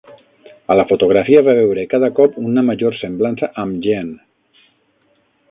A la fotografia va veure cada cop una major semblança amb Jeanne.